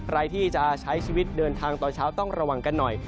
ใครที่จะใช้ชีวิตเดินทางตอนเช้าต้องระวังกันหน่อย